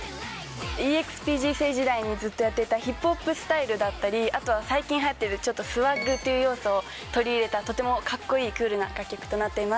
生時代にずっとやっていたヒップホップスタイルだったりあとは最近流行ってるスワッグっていう要素を取り入れたとてもカッコいいクールな楽曲となっています。